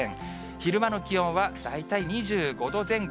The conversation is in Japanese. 昼間の気温は大体２５度前後。